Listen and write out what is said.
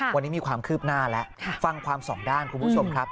วันนี้มีความคืบหน้าแล้วฟังความสองด้านคุณผู้ชมครับ